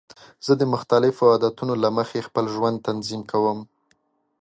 زه د مختلفو عادتونو له مخې خپل ژوند تنظیم کوم.